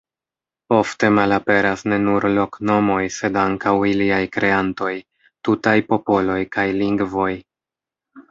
Ofte malaperas ne nur loknomoj, sed ankaŭ iliaj kreantoj, tutaj popoloj kaj lingvoj.